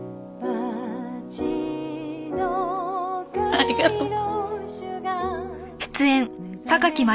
ありがとう。